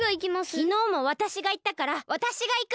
きのうもわたしがいったからわたしがいく！